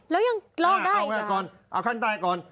แล้วยังลองได้เอาข้างใต้ก่อน